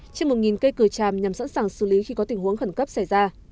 trên một cây cửa tràm nhằm sẵn sàng xử lý khi có tình huống khẩn cấp xảy ra